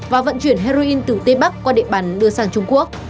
và vận chuyển heroin từ tây bắc qua địa bàn đưa sang trung quốc